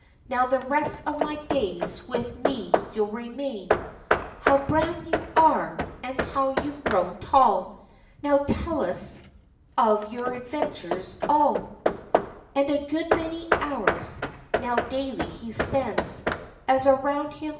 Now the rest of my days with me you'll remain. OF CHANTICLEER. 57 How brown you are ! and how you've grown tall ! Now tell us of your adventures all" And a good many hours now daily he spends, As around him